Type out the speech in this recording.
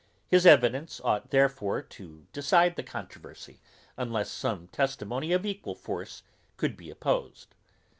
His evidence ought therefore to decide the controversy, unless some testimony of equal force could be opposed.